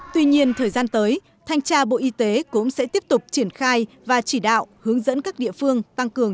tuy nhiên thời gian tới thanh tra bộ y tế cũng sẽ tiếp tục triển khai và chỉ đạo hướng dẫn các địa phương tăng cường